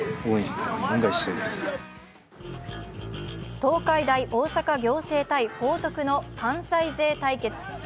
東海大大阪仰星×報徳の関西勢対決。